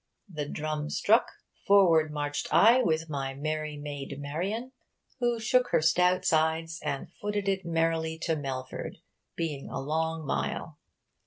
The drum strucke; forward marcht I with my merry Mayde Marian, who shook her stout sides, and footed it merrily to Melford, being a long myle.